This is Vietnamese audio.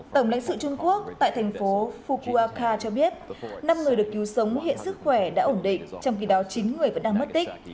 tổng lãnh sự trung quốc tại thành phố fukuaka cho biết năm người được cứu sống hiện sức khỏe đã ổn định trong khi đó chín người vẫn đang mất tích